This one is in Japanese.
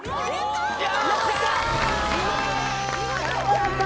やった！